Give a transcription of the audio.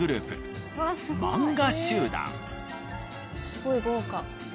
すごい豪華。